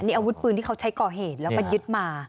นี่อาวุธปืนที่เขาใช้ก่อเหตุแล้วก็ยึดมา